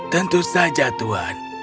tentu saja tuhan